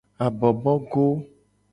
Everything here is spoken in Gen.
Abobogo.